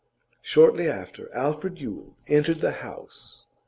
Shortly after, Alfred Yule entered the house.